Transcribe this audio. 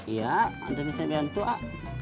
iya mantepin saya dengan itu pak